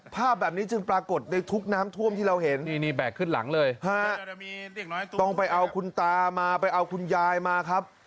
ภาพแบบนี้จึงปรากฏในทุกน้ำท่วมที่เราเห็นต้องไปเอาคุณตามาไปเอาคุณยายมาครับ